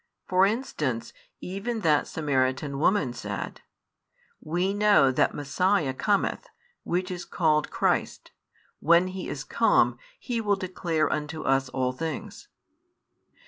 For instance even that Samaritan woman said: We know that Messiah cometh (which is called Christ): when He is come, He will declare unto us all things.